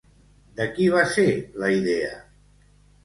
De qui va ser la idea?